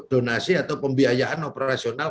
donasi atau pembiayaan operasional